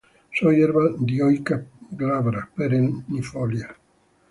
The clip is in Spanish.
Son hierbas dioicas glabras perennifolias.